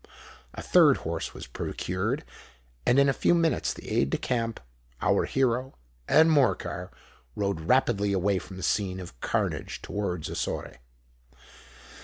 A third horse was procured; and in a few minutes the aide de camp, our hero, and Morcar rode rapidly away from the scene of carnage, towards Ossore.